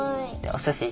おすしか。